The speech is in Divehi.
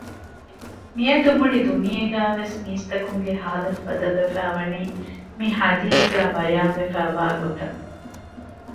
މިއަދު މުޅި ދުނިޔޭގައިވެސް މީސްތަކުންގެ ޙާލަތު ބަދަލުވެފައިވަނީ މި ޙަދީޘުގައި ބަޔާން ވެފައިވާ ގޮތަށް